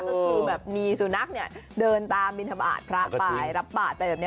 ก็คือแบบมีสุนัขเนี่ยเดินตามบินทบาทพระไปรับบาทไปแบบนี้